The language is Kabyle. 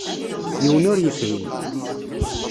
Yiwen ur yefhim.